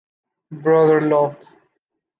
Brother Lope!